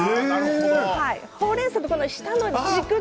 ほうれんそうの下の軸の。